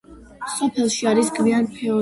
სოფელში არის გვიან ფეოდალური ხანის კოშკი.